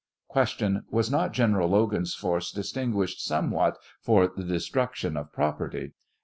Q. Was not General Logan's force distinguished somewhat for the destruction of property?